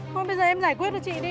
thôi bây giờ em giải quyết cho chị đi